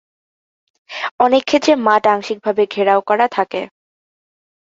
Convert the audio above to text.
অনেক ক্ষেত্রে মাঠ আংশিকভাবে ঘেরাও করা হয়ে থাকে।